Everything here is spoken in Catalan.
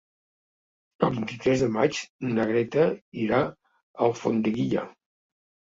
El vint-i-tres de maig na Greta irà a Alfondeguilla.